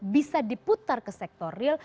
bisa diputar ke sektor real